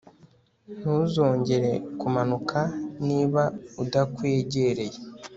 ntuzongere kumanuka niba udakwegereye